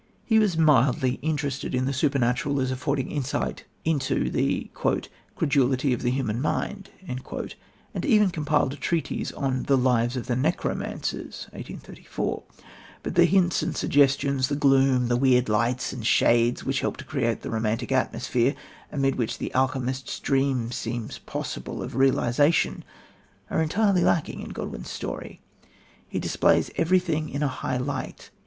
He was mildly interested in the supernatural as affording insight into the "credulity of the human mind," and even compiled a treatise on The Lives of the Necromancers (1834). But the hints and suggestions, the gloom, the weird lights and shades which help to create that romantic atmosphere amid which the alchemist's dream seems possible of realisation are entirely lacking in Godwin's story. He displays everything in a high light.